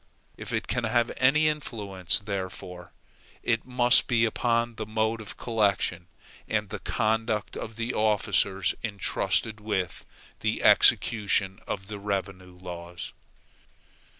If it can have any influence, therefore, it must be upon the mode of collection, and the conduct of the officers intrusted with the execution of the revenue laws.